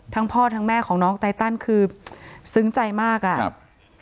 พ่อทั้งแม่ของน้องไตตันคือซึ้งใจมากอ่ะครับ